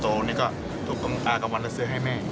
ตอนโจ๊กนี่ก็ถูกกำลังอากาวันแล้วซื้อให้แม่